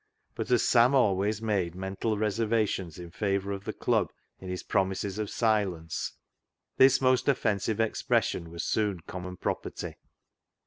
But as Sam always made mental '•THE ZEAL OF THINE HOUSE" 281 reservations in favour of the Club in his promises of silence, this most offensive expression was soon common property.